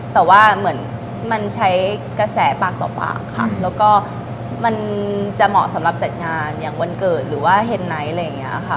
แต่ว่าเหมือนมันใช้กระแสปากต่อปากค่ะแล้วก็มันจะเหมาะสำหรับจัดงานอย่างวันเกิดหรือว่าเฮนไนท์อะไรอย่างนี้ค่ะ